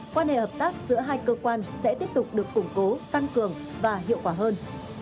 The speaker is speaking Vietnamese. quan hệ hợp tác giữa hai cơ quan sẽ tiếp tục được củng cố tăng cường và hiệu quả hơn